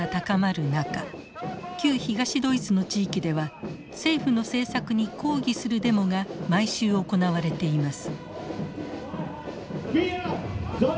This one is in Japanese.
旧東ドイツの地域では政府の政策に抗議するデモが毎週行われています。